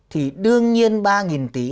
thì đương nhiên ba nghìn tỷ